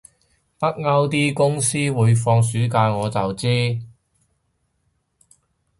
北歐啲公司會放暑假我就知